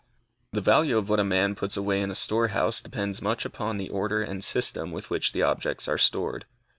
The value of what a man puts away in a store house depends much upon the order and system with which the objects are stored.